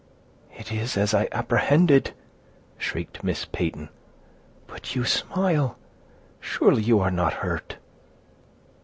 "It is as I apprehended!" shrieked Miss Peyton. "But you smile—surely you are not hurt!"